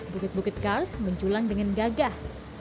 bukit bukit kars menjulang dengan gagah